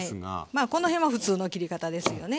まあこの辺は普通の切り方ですよね。